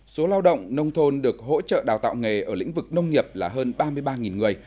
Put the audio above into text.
số lao động nông thôn được hỗ trợ đào tạo nghề ở lĩnh vực nông nghiệp là hơn ba mươi ba người